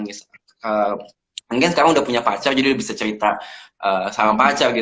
angin sekarang udah punya pacar jadi udah bisa cerita sama pacar gitu